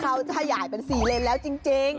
เขาจะขยายเป็น๔เลนแล้วจริง